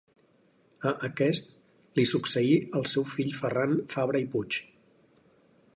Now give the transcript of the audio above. A aquest li succeí el seu fill Ferran Fabra i Puig.